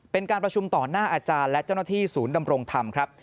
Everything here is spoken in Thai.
เป็นการประชุมต่อหน้าอาจารย์และเจ้าหน้าที่ศูนย์ดำรงธรรมครับ